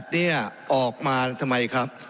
เนี่ยออกมาทำไมครับ